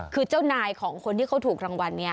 คือเจ้านายของคนที่เขาถูกรางวัลเนี่ย